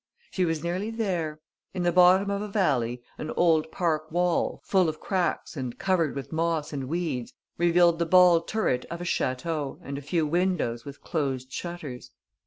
She was nearly there. In the bottom of a valley, an old park wall, full of cracks and covered with moss and weeds, revealed the ball turret of a château and a few windows with closed shutters.